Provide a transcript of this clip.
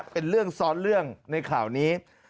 เป็นเรื่องซ้อนเรื่องในข่าวนี้